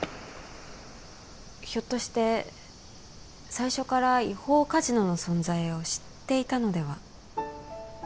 ひょっとして最初から違法カジノの存在を知っていたのでは？